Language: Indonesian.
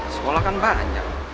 sekolah kan banyak